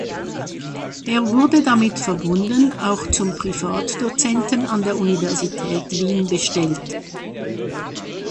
Er wurde damit verbunden auch zum Privatdozenten an der Universität Wien bestellt.